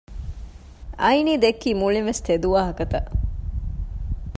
އައިނީ ދެއްކީ މުޅިންވެސް ތެދު ވާހަކަތައް